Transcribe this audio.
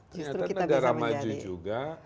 ternyata negara maju juga